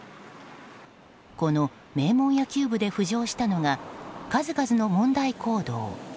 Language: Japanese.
この名門野球部で浮上したのが数々の問題行動。